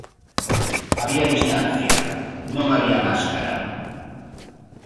Había distancia, non había máscara.